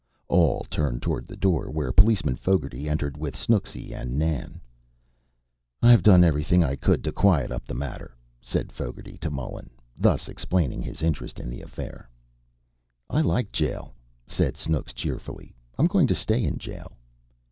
All turned toward the door, where Policeman Fogarty entered with Snooksy and Nan. "I've done ivrything I cud t' quiet th' matter up," said Fogarty to Mullen, thus explaining his interest in the affair. "I like jail," said Snooks cheerfully. "I'm going to stay in jail."